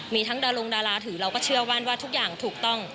มีทั้งดารงดาราถือเราก็เชื่อมั่นว่าทุกอย่างถูกต้อง